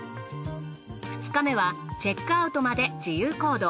２日目はチェックアウトまで自由行動。